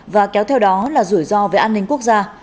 và kéo theo đó là rủi ro về an ninh quốc gia